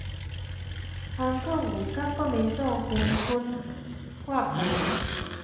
韓國瑜佮國民黨紛紛發文